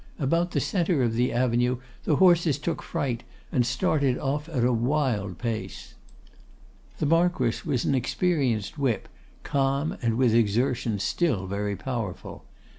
About the centre of the avenue the horses took fright, and started off at a wild pace. The Marquess was an experienced whip, calm, and with exertion still very powerful.